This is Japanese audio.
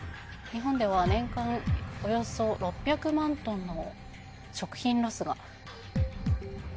「日本では年間およそ６００万ｔの食品ロスが」。